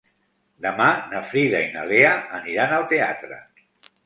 Demà na Frida i na Lea aniran al teatre.